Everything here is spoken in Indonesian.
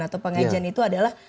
atau pengajian itu adalah